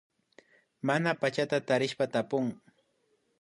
Mana pachata tarishpa tapun